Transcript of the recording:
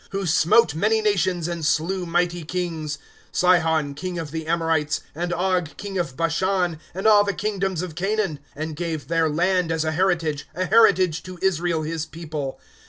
1" Who smote many nations. And slew mighty kings ;^^ Sihon, king of the Amoi ites, And Og, king of Bashan, And all the kingdoms of Canaan ;" And gave their land as a heritage, ■ A heritage to Israel his people.